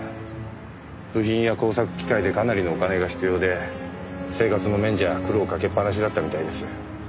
部品や工作機械でかなりのお金が必要で生活の面じゃ苦労かけっぱなしだったみたいです。